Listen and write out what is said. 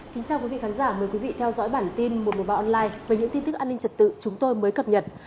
xin chào quý vị khán giả mời quý vị theo dõi bản tin một trăm một mươi ba online với những tin tức an ninh trật tự chúng tôi mới cập nhật